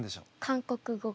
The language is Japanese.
韓国語が。